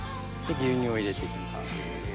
牛乳を入れていきます。